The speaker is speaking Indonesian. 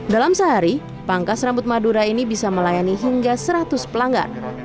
dalam sehari pangkas rambut madura ini bisa melayani hingga seratus pelanggan